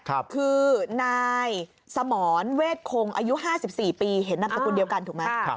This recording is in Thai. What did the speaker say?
คือนายสมรเวทคงอายุ๕๔ปีเห็นนามสกุลเดียวกันถูกไหม